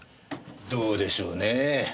どうでしょうねぇ。